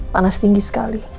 panas tinggi sekali